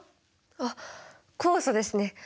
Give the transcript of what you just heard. あっ酵素ですね。